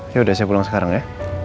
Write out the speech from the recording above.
ya udah saya pulang sekarang ya